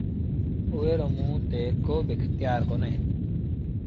اُئي رو موٚنٚ تي ڪو با اکتيآر ڪونهي۔